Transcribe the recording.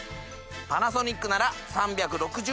パナソニックなら３６０°